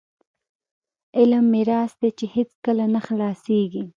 علم میراث دی چې هیڅکله نه خلاصیږي.